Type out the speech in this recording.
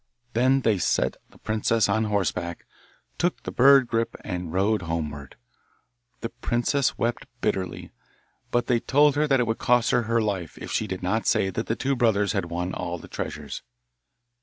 Then they set the princess on horseback, took the bird Grip, and rode homeward. The princess wept bitterly, but they told her that it would cost her her life if she did not say that the two brothers had won all the treasures.